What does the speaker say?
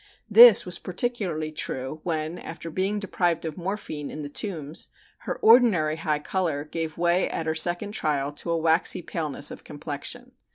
This was particularly true when, after being deprived of morphine in the Tombs, her ordinary high color gave way at her second trial to a waxy paleness of complexion.